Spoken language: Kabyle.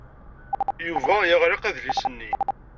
Yuba yeɣleq adlis-nni.